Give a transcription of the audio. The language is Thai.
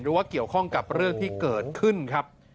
ว่าเกี่ยวข้องกับเรื่องที่เกิดขึ้นครับ